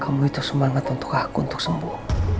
kamu itu semangat untuk aku untuk sembuh